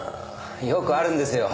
よくあるんですよ